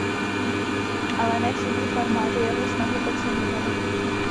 Ale ne všichni farmáři jeho snahy oceňovali.